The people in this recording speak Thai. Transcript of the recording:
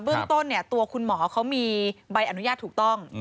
เรื่องต้นตัวคุณหมอเขามีใบอนุญาตถูกต้อง